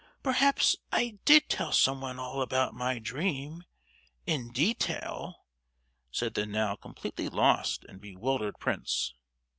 Perhaps I did tell someone all about my dream, in detail," said the now completely lost and bewildered prince.